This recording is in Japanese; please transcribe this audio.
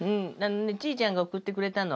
ちーちゃんが送ってくれたの。